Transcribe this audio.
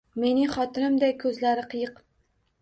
Mening xotinimday ko’zlari qiyiq.